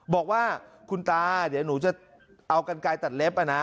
บอกว่าคุณตาเดี๋ยวหนูจะเอากันไกลตัดเล็บ